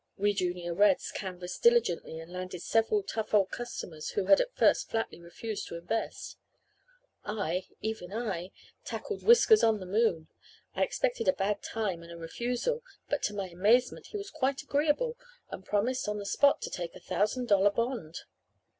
We Junior Reds canvassed diligently and landed several tough old customers who had at first flatly refused to invest. I even I tackled Whiskers on the moon. I expected a bad time and a refusal. But to my amazement he was quite agreeable and promised on the spot to take a thousand dollar bond.